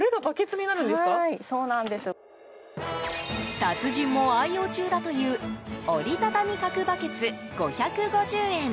達人も愛用中だという折りたたみ角バケツ、５５０円。